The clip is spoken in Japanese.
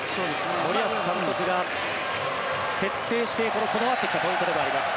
森保監督が徹底してこだわってきたポイントでもあります。